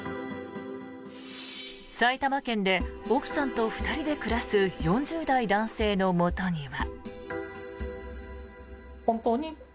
埼玉県で奥さんと２人で暮らす４０代男性のもとには。